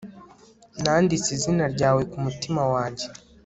Nanditse izina ryawe ku mutima wanjye